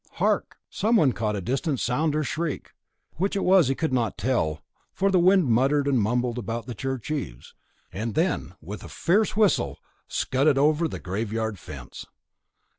Hark! Someone caught a distant sound or shriek, which it was he could not tell, for the wind muttered and mumbled about the church eaves, and then with a fierce whistle scudded over the graveyard fence.